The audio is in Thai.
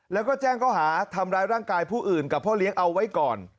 แล้วก็แจ้งเขาหาทำร้ายร่างกายผู้อื่นกับพ่อเลี้ยงเอาไว้ก่อน